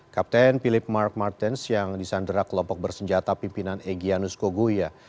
kapten philip mark martens yang disandera kelompok bersenjata pimpinan egyanus kogoya